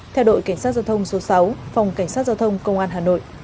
theo đội cảnh sát giao thông số sáu phòng cảnh sát giao thông công an hà nội